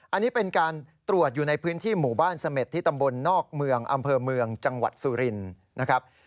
อันนี้เป็นการตรวจอยู่ในพื้นที่หมู่บ้านเสม็ดที่ตำบลนอกเมืองอำเภอเมืองจังหวัดสุรินทร์นะครับ